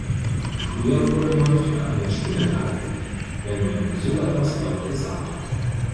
Früher wurde man für einen Spinner gehalten, wenn man so etwas laut gesagt hat.